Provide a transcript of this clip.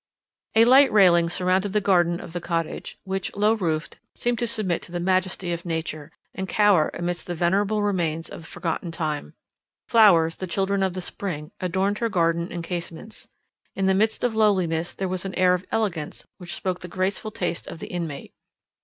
A light railing surrounded the garden of the cottage, which, low roofed, seemed to submit to the majesty of nature, and cower amidst the venerable remains of forgotten time. Flowers, the children of the spring, adorned her garden and casements; in the midst of lowliness there was an air of elegance which spoke the graceful taste of the inmate.